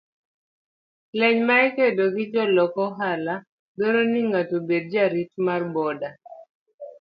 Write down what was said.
Lweny mar kedo gi jolok ohala dwaro ni ng'ato obed jarit mar boda.